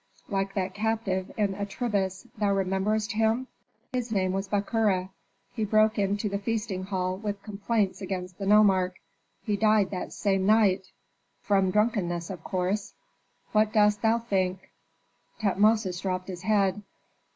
"Like that captive in Atribis, thou rememberest him? His name was Bakura; he broke into the feasting hall with complaints against the nomarch. He died that same night from drunkenness, of course. What dost thou think?" Tutmosis dropped his head.